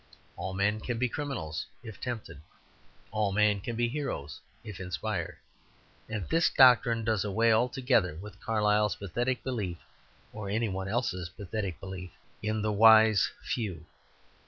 All men can be criminals, if tempted; all men can be heroes, if inspired. And this doctrine does away altogether with Carlyle's pathetic belief (or any one else's pathetic belief) in "the wise few."